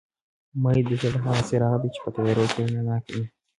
اميد د زړه هغه څراغ دي چې په تيارو کې رڼا کوي